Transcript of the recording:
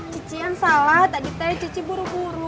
cici yang salah tadi tanya cici buru buru